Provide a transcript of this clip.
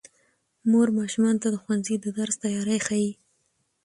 مور ماشومانو ته د ښوونځي د درس تیاری ښيي